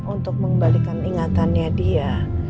untuk mengembalikan ingatannya dia